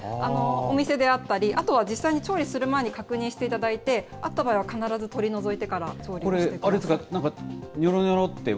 お店であったり、あとは実際に調理する前に確認していただいて、あった場合は必ず取り除いてから調理をしてください。